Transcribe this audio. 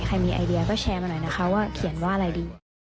ใครมีไอเดียก็แชร์มาหน่อยนะคะว่าเขียนว่าอะไรดี